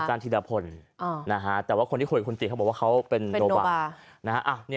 อาจารย์ธิรพลแต่ว่าคนที่คุยกับคุณติดเขาบอกว่าเขาเป็นนโนบาร์